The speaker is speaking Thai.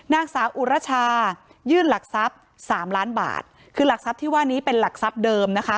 นางสาวอุรชายยื่นหลักทรัพย์สามล้านบาทคือหลักทรัพย์ที่ว่านี้เป็นหลักทรัพย์เดิมนะคะ